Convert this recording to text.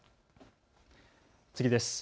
次です。